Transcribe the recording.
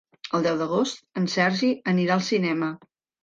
El deu d'agost en Sergi anirà al cinema.